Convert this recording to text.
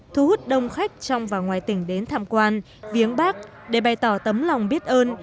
thu hút đông khách trong và ngoài tỉnh đến tham quan viếng bác để bày tỏ tấm lòng biết ơn